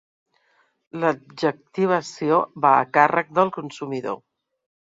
L'adjectivació va a càrrec del consumidor.